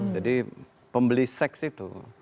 jadi pembeli seks itu